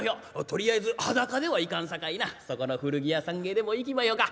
とりあえず裸ではいかんさかいなそこの古着屋さんへでも行きまひょか。